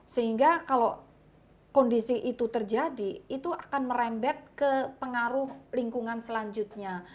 sehingga kalau kondisi itu terjadi itu akan merembet ke pengaruh lingkungan selanjutnya